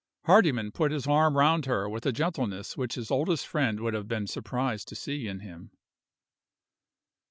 Hardyman put his arm round her with a gentleness which his oldest friend would have been surprised to see in him.